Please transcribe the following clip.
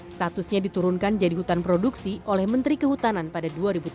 statusnya diturunkan jadi hutan produksi oleh menteri kehutanan pada dua ribu tujuh belas